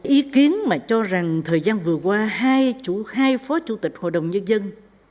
ý kiến mà cho rằng thời gian vừa qua hai phó chủ tịch hội đồng nhân dân